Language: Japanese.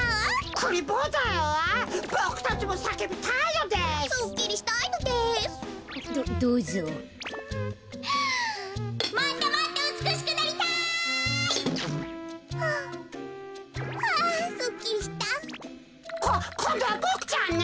ここんどはボクちゃんね。